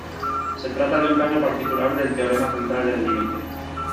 Se trata de un caso particular del Teorema central del límite.